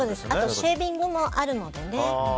シェービングもあるのでね。